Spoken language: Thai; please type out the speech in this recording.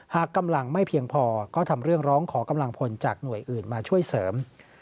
หากกำลังไม่เพียงพอก็ทำเรื่องร้องขอกำลังพลจากหน่วยอื่นมาช่วยเสริม